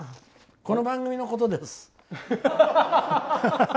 この番組のことです。